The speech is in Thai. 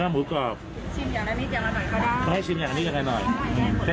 หมูกรอบชิมอย่างนี้อีกหน่อยข้าว